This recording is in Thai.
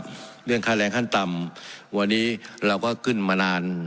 เรื่องค่าแรงขั้นต่ำวันนี้เราก็ขึ้นมานาน